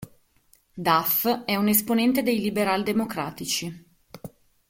Duff è un esponente dei Liberal democratici.